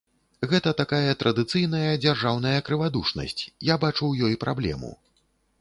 Гэта такая традыцыйная дзяржаўная крывадушнасць, я бачу ў ёй праблему.